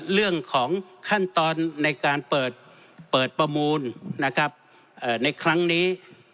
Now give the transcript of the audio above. เรื่องของขั้นตอนในการเปิดประมูลนะครับในครั้งนี้